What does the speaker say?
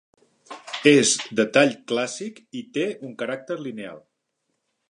És de tall clàssic i té un caràcter lineal.